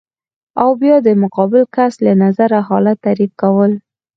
او بیا د مقابل کس له نظره حالت تعریف کول